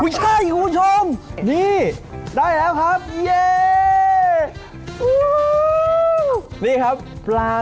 ใช่เปล่า